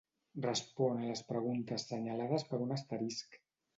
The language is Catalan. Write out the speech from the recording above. Respon a les preguntes senyalades per un asterisc.